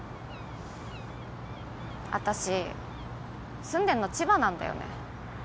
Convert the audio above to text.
あたし住んでんの千葉なんだよね。